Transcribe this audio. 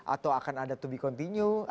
atau akan ada to be continue